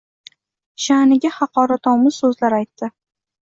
Sha’niga haqoratomuz so‘zlar aytdi.